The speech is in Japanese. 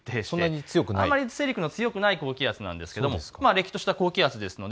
あまり勢力の強くない高気圧、れっきとした高気圧ですね。